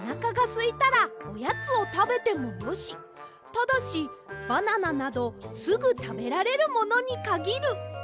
ただしバナナなどすぐたべられるものにかぎる」。